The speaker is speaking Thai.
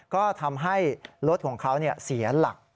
ก็ทำให้รถของเขาเสียหลัก